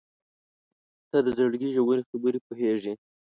• ته د زړګي ژورې خبرې پوهېږې.